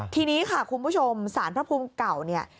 ทีนี้ค่ะคุณผู้ชมสารพระภูมิเก่าเนี่ย